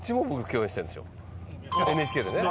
ＮＨＫでね。